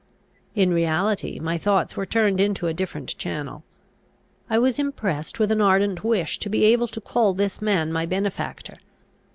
In reality my thoughts were turned into a different channel. I was impressed with an ardent wish to be able to call this man my benefactor.